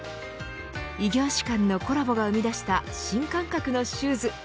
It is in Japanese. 異業種間のコラボが生み出した新感覚のシューズ。